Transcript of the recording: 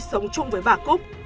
sống chung với bà cúc